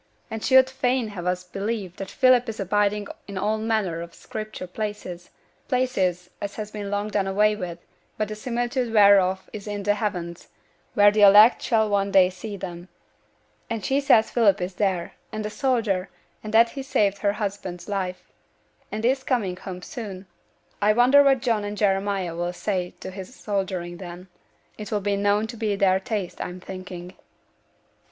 And she'd fain have us believe that Philip is abiding in all manner of Scripture places; places as has been long done away with, but the similitude whereof is in the heavens, where the elect shall one day see them. And she says Philip is there, and a soldier, and that he saved her husband's life, and is coming home soon. I wonder what John and Jeremiah 'll say to his soldiering then? It'll noane be to their taste, I'm thinking.'